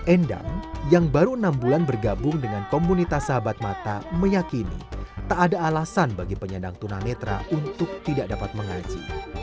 endang yang baru enam bulan bergabung dengan komunitas sahabat mata meyakini tak ada alasan bagi penyandang tunanetra untuk tidak dapat mengaji